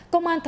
công an tp huế